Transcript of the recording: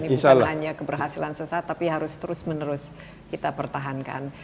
ini bukan hanya keberhasilan sesat tapi harus terus menerus kita pertahankan